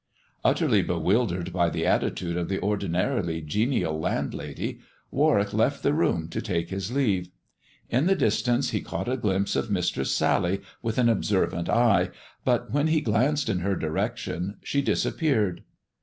Utterly bewildered by the attitude of the ordinarily genial landlady, Warwick left the room to take his leave. In the distance he caught a glimpse of Mistress Sally with an observant eye, but when he glanced in her direction, she disappeared.